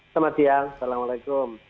selamat siang assalamualaikum